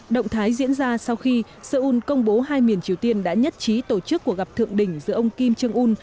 động thái diễn ra sau khi seoul công bố hai miền triều tiên đã nhất trí tổ chức cuộc gặp thượng đỉnh giữa ông kim jong un